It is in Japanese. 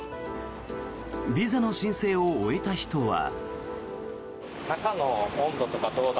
ビザの申請を終えた人は。